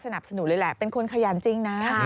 สนับสนุนเลยแหละเป็นคนขยันจริงนะ